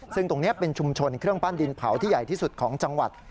ซึ่งตรงนี้เป็นชุมชนเครื่องปั้นดินเผาที่ใหญ่ที่สุดของจังหวัด